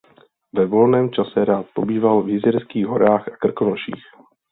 Ve volném čase rád pobýval v Jizerských horách a Krkonoších.